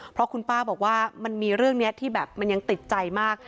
เพราะคุณป้าบอกว่ามันมีเรื่องนี้ที่แบบมันยังติดใจมาก